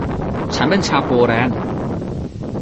ฉันเป็นชาวโปแลนด์